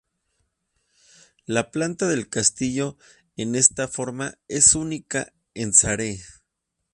La planta del castillo en esta forma es única en Sarre.